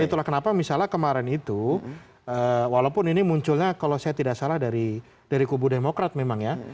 itulah kenapa misalnya kemarin itu walaupun ini munculnya kalau saya tidak salah dari kubu demokrat memang ya